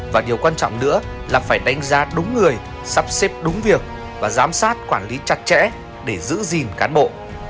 và điều quan trọng nữa là phải đánh giá đúng người sắp xếp đúng việc và giám sát quản lý chặt chẽ để giữ gìn cán bộ